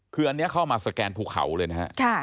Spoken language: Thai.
คืออันนี้เข้ามาสแกนภูเขาเลยนะฮะ